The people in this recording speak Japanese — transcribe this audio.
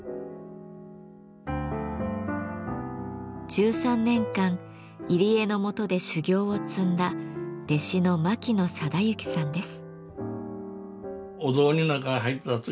１３年間入江のもとで修業を積んだ弟子の牧野貞之さんです。